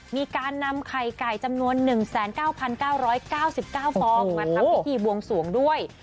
มีการนำไข่ไก่จำนวน๑๙๙๙๙ฟองมาทำพิธีบวงสวงด้วย